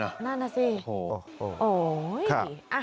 หน้าหน้าสิโอ้โหค่ะ